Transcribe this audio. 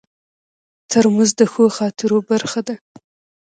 ترموز د ښو خاطرو برخه ده.